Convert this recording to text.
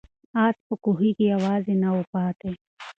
آس په کوهي کې یوازې نه و پاتې.